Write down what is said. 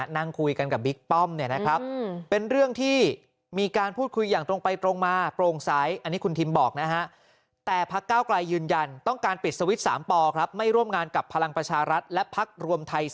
นั่งคุยกันกับบิ๊กป้อมเป็นเรื่องที่มีการพูดคุยอย่างตรงไปตรงมาโปร่งซ้าย